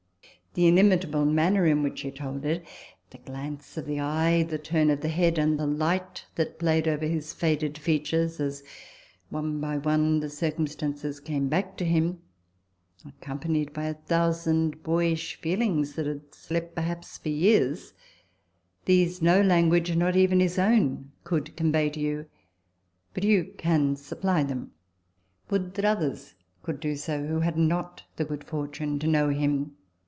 The inimitable manner in which he told it the glance of the eye, the turn of the head, and the light that played over his faded features as, one by one, the circumstances came back to him, accompanied by a thousand boyish feelings that had slept perhaps for years these no language, not even his own, could convey to you ; but you can supply them. Would that others could do so, who had not the good fortune to know him